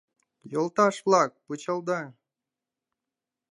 — Йолташ-влак, пычалда!